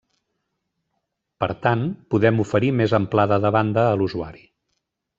Per tant, podem oferir més amplada de banda a l'usuari.